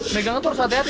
megang itu harus hati hati